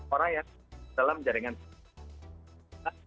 orang yang dalam jaringan